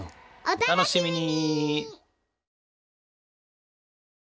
お楽しみに！